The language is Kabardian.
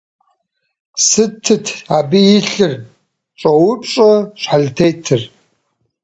- Сытыт абы итыр? - щӀоупщӀэ щхьэлтетыр.